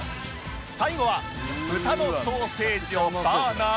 最後は豚のソーセージをバーナーであぶって